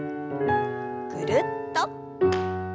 ぐるっと。